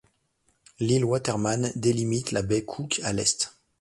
L'île Waterman délimite la baie Cook à l'est.